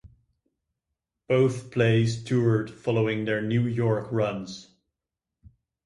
Both plays toured following their New York runs.